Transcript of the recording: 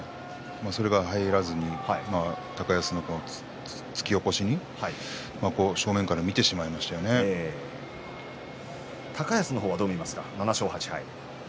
それが入らずに高安の突き起こしに高安の方はどう見ますか。